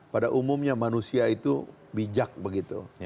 pada umumnya manusia itu bijak begitu